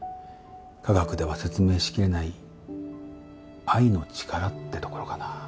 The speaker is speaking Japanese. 科学では説明しきれない愛の力ってところかな。